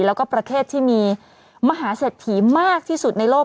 แล้วก็ประเทศที่มีมหาเศรษฐีมากที่สุดในโลก